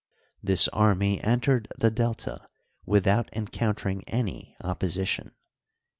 This army entered the Delta with out encountering any opposition.